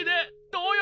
どうよ？